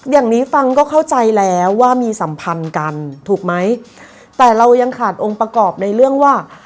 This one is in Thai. อย่างนี้ฟังก็เข้าใจแล้วว่ามีสัมพันธ์กันถูกไหมแต่เรายังขาดองค์ประกอบในเรื่องว่า